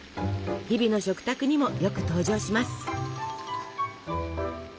日々の食卓にもよく登場します。